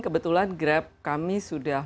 kebetulan grab kami sudah